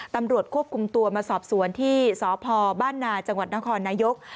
ตำรวจควบคุมตัวมาสอบสวนที่สพบ้านนาจังหวัดนครนายก